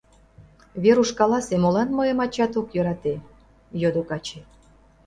— Веруш, каласе, молан мыйым ачат ок йӧрате? — йодо каче.